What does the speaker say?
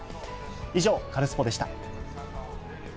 以上、カルスポっ！でした。